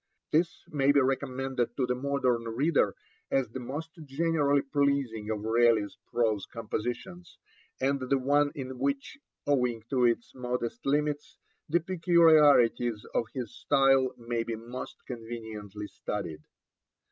This may be recommended to the modern reader as the most generally pleasing of Raleigh's prose compositions, and the one in which, owing to its modest limits, the peculiarities of his style may be most conveniently studied.